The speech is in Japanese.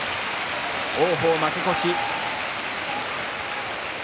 王鵬、負け越し。